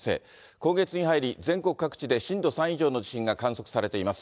今月に入り、全国各地で震度３以上の地震が観測されています。